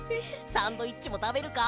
サンドイッチもたべるか？